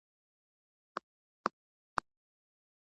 د اکسوم د اقتصادي ځوړتیا بهیر چټک کړ.